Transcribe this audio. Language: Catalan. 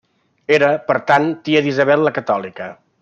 Era, per tant, tia d'Isabel la Catòlica.